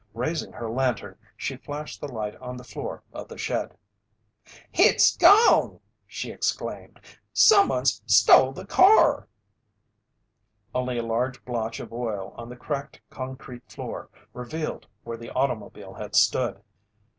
Raising her lantern, she flashed the light on the floor of the shed. "Hit's gone!" she exclaimed. "Someone's stole the car!" Only a large blotch of oil on the cracked concrete floor revealed where the automobile had stood.